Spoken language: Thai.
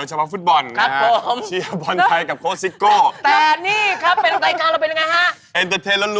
สามารถรับชมได้ทุกวัย